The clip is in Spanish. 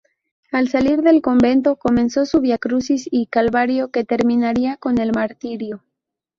Al salir del convento comenzó su viacrucis y calvario, que terminaría con el martirio.